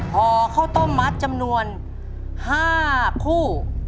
ห่อข้าวต้มมัดจำนวน๕คู่